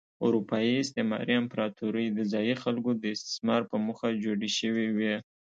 اروپايي استعماري امپراتورۍ د ځايي خلکو د استثمار په موخه جوړې شوې وې.